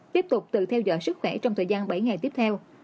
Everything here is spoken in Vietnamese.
tiếp tục tự theo dõi sức khỏe trong thời gian bảy ngày tiếp theo